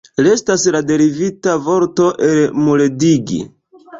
Restas la derivita vorto elmuldigi.